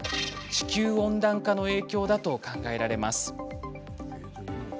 地球温暖化の影響だと考えられます。